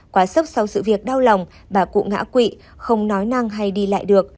quá sốc sau sự việc đau lòng bà cụ ngã quỵ không nói năng hay đi lại được